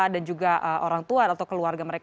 dan juga orang tua